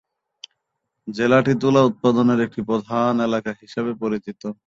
জেলাটি তুলা উৎপাদনের একটি প্রধান এলাকা হিসেবে পরিচিত।